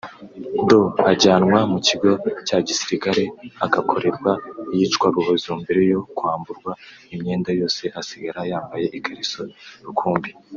Doe ajyanwa mu kigo cya gisirikare akakorerwa iyicwarubozo mbere yo kwamburwa imyenda yose asigara yambaye ikariso rukumbi